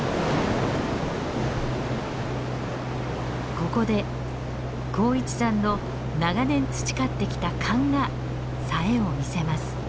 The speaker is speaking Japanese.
ここで幸一さんの長年培ってきた勘がさえを見せます。